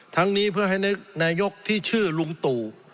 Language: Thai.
ทั้งนี้เพื่อให้นายกที่ชื่อลุงตู่